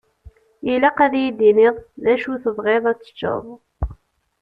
Ilaq ad yi-d-tiniḍ d acu i tebɣiḍ ad teččeḍ.